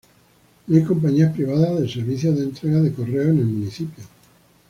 No hay compañías privadas de servicios de entrega de correo en el municipio.